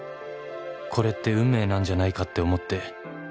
「これって運命なんじゃないかって思って」